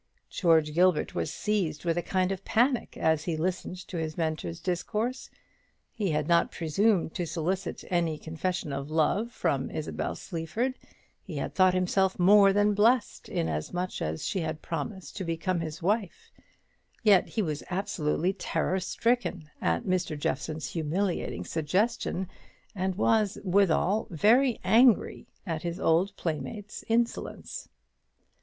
George Gilbert was seized with a kind of panic as he listened to his Mentor's discourse. He had not presumed to solicit any confession of love from Isabel Sleaford; he had thought himself more than blest, inasmuch as she had promised to become his wife; yet he was absolutely terror stricken at Mr. Jeffson's humiliating suggestion, and was withal very angry at his old playmate's insolence.